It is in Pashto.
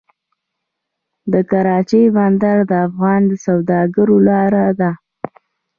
د کراچۍ بندر د افغان سوداګرو لاره ده